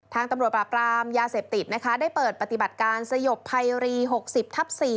ตำรวจปราบรามยาเสพติดนะคะได้เปิดปฏิบัติการสยบภัยรี๖๐ทับ๔